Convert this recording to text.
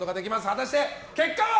果たして結果は？